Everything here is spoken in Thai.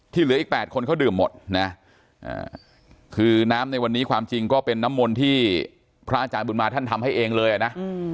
เหลืออีก๘คนเขาดื่มหมดนะคือน้ำในวันนี้ความจริงก็เป็นน้ำมนต์ที่พระอาจารย์บุญมาท่านทำให้เองเลยนะ